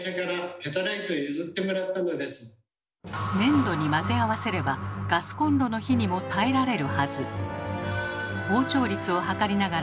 粘土に混ぜ合わせればガスコンロの火にも耐えられるはず。